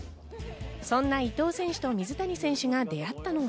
そんな伊藤選手と水谷選手が出会ったのは。